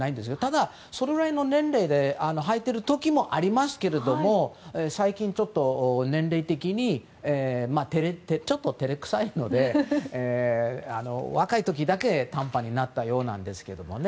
ただ、それくらいの年齢ではいている時もありますけども最近、ちょっと年齢的にちょっと照れ臭いので若い時だけ短パンになったようなんですけどね。